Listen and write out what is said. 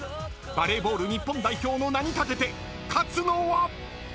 ［バレーボール日本代表の名に懸けて勝つのは⁉］